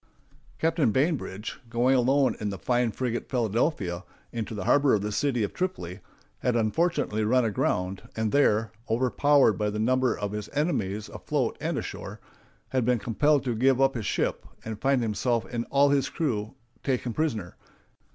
] Captain Bainbridge, going alone in the fine frigate Philadelphia into the harbor of the city of Tripoli, had unfortunately run aground, and there, overpowered by the number of his enemies afloat and ashore, had been compelled to give up his ship, and find himself and all his crew taken prisoners.